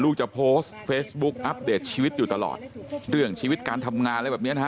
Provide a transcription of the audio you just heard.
ลูกจะโพสต์เฟซบุ๊คอัปเดตชีวิตอยู่ตลอดเรื่องชีวิตการทำงานอะไรแบบเนี้ยนะฮะ